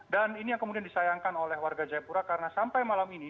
dan ini yang kemudian disayangkan oleh warga jaya pura karena sampai malam ini